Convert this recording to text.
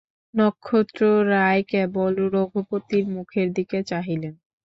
নক্ষত্ররায় কেবল রঘুপতির মুখের দিকে চাহিলেন।